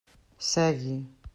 Segui.